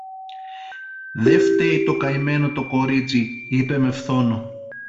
Δε φταίει το καημένο το κορίτσι, είπε με φθόνο.